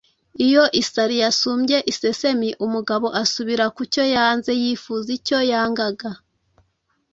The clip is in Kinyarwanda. iyo isari yasumbye iseseme, umugabo asubira kucyo yanze (yifuza icyo yangaga)